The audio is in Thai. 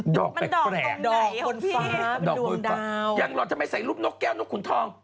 ดอกแปลกแปลกดอกดวงตรายของพี่ยังรอจะไม่ใส่รูปนกแก้วนกกว่นทอง